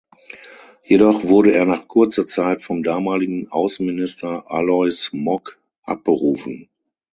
Jedoch wurde er nach kurzer Zeit vom damaligen Außenminister Alois Mock abberufen.